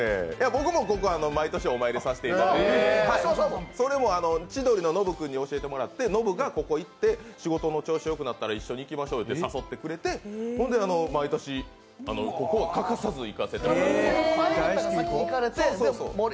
僕もここは毎年お参りさせていただいていてそれも千鳥のノブ君に教えてもらって、ノブがここに行って、仕事も調子よくなって一緒に行きましょうよって誘ってくれて、それで毎年欠かさず行かせていただいてます。